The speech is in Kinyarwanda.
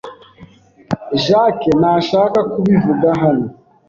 Jacques ntashaka kubivuga hano.